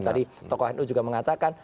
tadi toko anu juga mengatakan